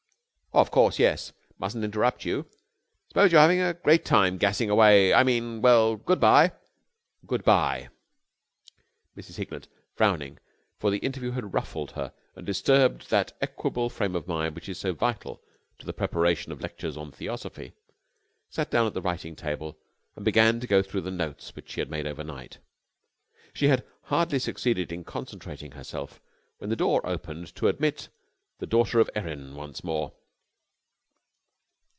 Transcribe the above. "Of course, yes. Mustn't interrupt you. I suppose you're having a great time, gassing away I mean well, good bye!" "Good bye!" Mrs. Hignett, frowning, for the interview had ruffled her and disturbed that equable frame of mind which is so vital to the preparation of lectures on Theosophy, sat down at the writing table and began to go through the notes which she had made overnight. She had hardly succeeded in concentrating herself when the door opened to admit the daughter of Erin once more.